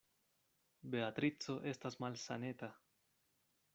Beatrico estas malsaneta.